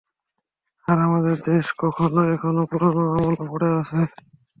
আর আমাদের দেশ এখনো পুরোনো আমলে পড়ে আছে।